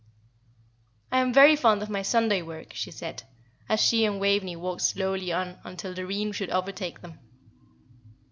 "I am very fond of my Sunday work," she said, as she and Waveney walked slowly on until Doreen should overtake them.